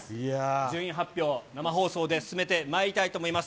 順位発表、生放送で進めてまいりたいと思います。